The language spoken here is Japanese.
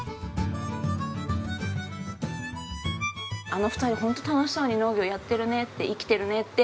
あの２人ホント楽しそうに農業やってるねって生きてるねって。